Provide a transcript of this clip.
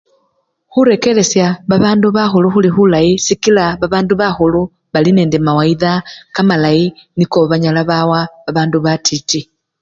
Khurekeresha babandu bakhulu khulikhulayi sikila babandu bakhulu bali nende mawayida kamalayi niko banyala bawa babandu batiti.